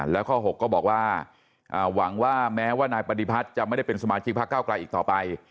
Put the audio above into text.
แล้วข้อ๖ก็บอกว่าหวังว่าแม้ว่านายปฏิพัฒน์จะไม่ได้เป็นสมาชิกพักเก้าไกลอีกต่อไป